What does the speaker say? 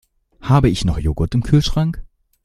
Habe ich noch Joghurt im Kühlschrank?